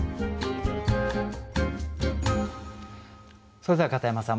それでは片山さん